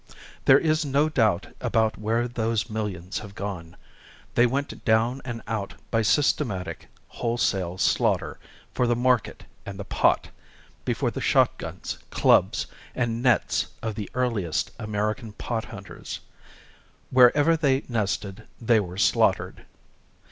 There is no doubt about where those millions have gone. They went down and out by systematic, wholesale slaughter for the market and the pot, before the shotguns, clubs and nets of the earliest American pot hunters. Wherever they nested they were slaughtered.